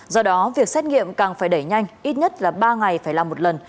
do đó việc xét nghiệm càng phải đẩy nhanh ít nhất là ba ngày phải làm một lần